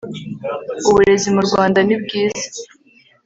uburezi mu Rwanda nibwiza